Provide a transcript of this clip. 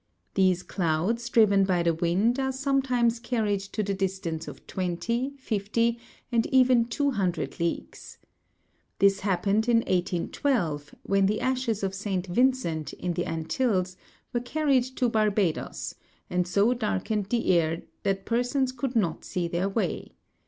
These clouds, driven by the wind, are sometimes carried to the distance of twenty, fifty, and even two hun dred leagues. This happened in 1812, when the ashes of Saint Vincent, in the Antilles, were carried to Barbadoes, and so darkened the air that persons could not see their way.